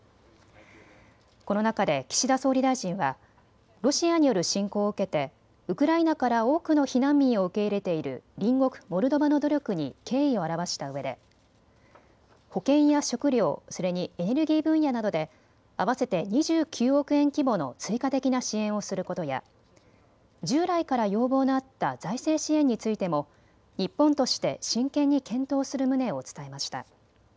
この中で岸田総理大臣はロシアによる侵攻を受けてウクライナから多くの避難民を受け入れている隣国モルドバの努力に敬意を表したうえで保健や食料、それにエネルギー分野などで合わせて２９億円規模の追加的な支援をすることや従来から要望のあった財政支援についても日本として真剣に検討する旨を伝えました。